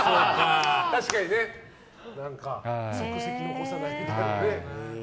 確かに足跡を残さないみたいなね。